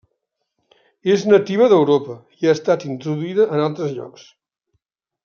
És nativa d'Europa i ha estat introduïda en altres llocs.